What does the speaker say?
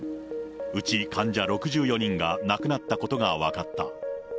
うち患者６４人が亡くなったことが分かった。